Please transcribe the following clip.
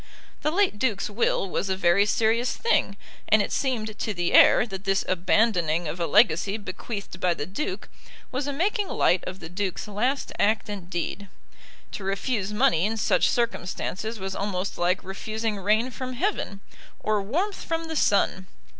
The late Duke's will was a very serious thing, and it seemed to the heir that this abandoning of a legacy bequeathed by the Duke was a making light of the Duke's last act and deed. To refuse money in such circumstances was almost like refusing rain from heaven, or warmth from the sun.